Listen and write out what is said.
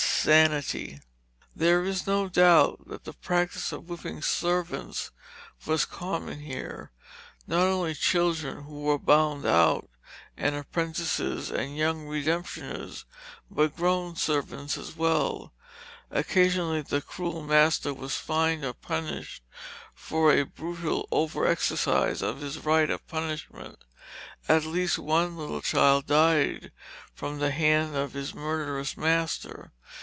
[Illustration: Cathalina Post, Fourteen Years Old, 1750] There is no doubt that the practice of whipping servants was common here, not only children who were bound out, and apprentices and young redemptioners, but grown servants as well. Occasionally the cruel master was fined or punished for a brutal over exercise of his right of punishment. At least one little child died from the hand of his murderous master.